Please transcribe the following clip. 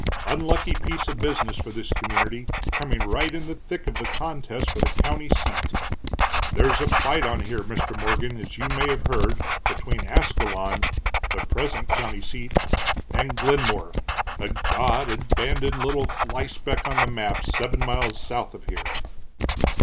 Unlucky piece of business for this community, coming right in the thick of the contest for the county seat. There's a fight on here, Mr. Morgan, as you may have heard, between Ascalon, the present county seat, and Glenmore, a God abandoned little flyspeck on the map seven miles south of here."